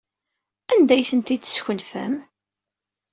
Anda ay tent-id-teskenfem?